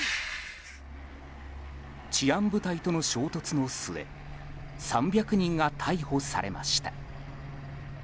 治安部隊との衝突の末３００人が逮捕されました。